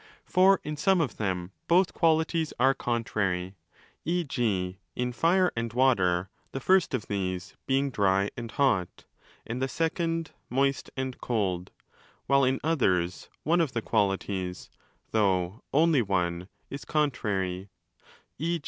For in some of them both qualities are contrary—e.g.in Fire and Water, the first of these being dry and hot, and the second moist and cold: while in others ove of the qualities (though only one) is contrary—e.